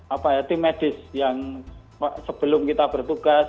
apa ya tim medis yang sebelum kita bertugas